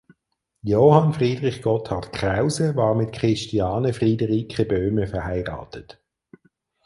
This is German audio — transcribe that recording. Johann Friedrich Gotthard Krause war mit Christiane Friederike Böhme verheiratet.